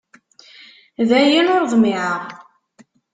Dayen ur ḍmiεeɣ.